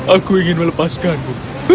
aku ingin melepaskanmu